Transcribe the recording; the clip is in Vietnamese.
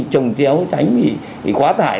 trồng chéo tránh quá tải